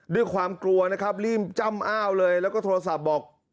ด้วยความกลัวนะครับรีบจ้ำอ้าวเลยแล้วก็โทรศัพท์บอก